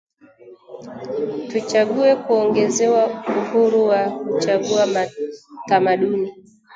Tuchague kuongeza uhuru wa kuchagua tamaduni